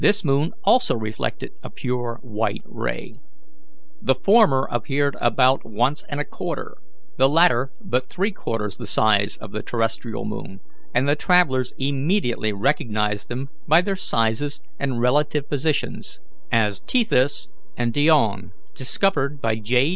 This moon also reflected a pure white ray. The former appeared about once and a quarter, the latter but three quarters, the size of the terrestrial moon, and the travellers immediately recognized them by their sizes and relative positions as Tethys and Dione, discovered by J.